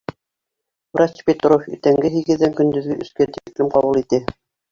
Врач Петров иртәнге һигеҙҙән көндөҙгө өскә тиклем ҡабул итә.